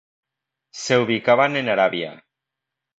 Se ubicaban en Arabia.